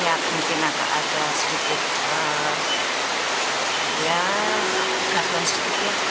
bagaimana ada sedikit ya kemungkinan sedikit